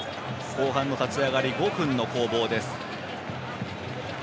後半の立ち上がり５分の攻防です。